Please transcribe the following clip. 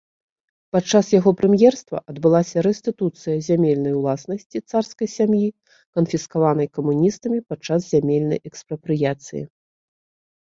Падчас яго прэм'ерства адбылася рэстытуцыя зямельнай уласнасці царскай сям'і, канфіскаванай камуністамі падчас зямельнай экспрапрыяцыі.